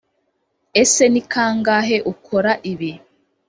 ese ni kangahe ukora ibi‽